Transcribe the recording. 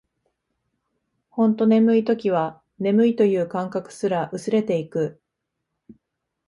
ほんと眠い時は、眠いという感覚すら薄れていく